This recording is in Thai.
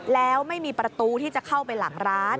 แล้วไม่มีประตูที่จะเข้าไปหลังร้าน